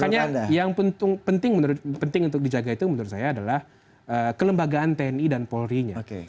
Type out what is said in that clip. makanya yang penting untuk dijaga itu menurut saya adalah kelembagaan tni dan polri nya